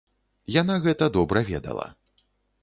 Яна гэта добра ведала.